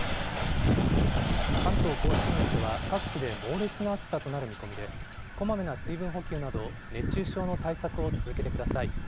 関東甲信越は各地で猛烈な暑さとなる見込みで、こまめな水分補給など、熱中症の対策を続けてください。